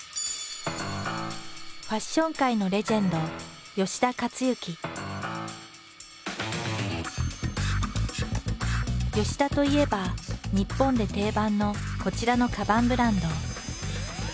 ファッション界のレジェンド田といえば日本で定番のこちらのカバンブランド。